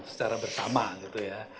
secara bersama gitu ya